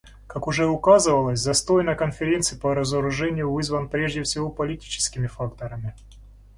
Как уже указывалось, застой на Конференции по разоружению вызван прежде всего политическими факторами.